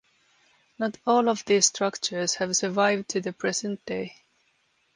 Not all of these structures have survived to the present day.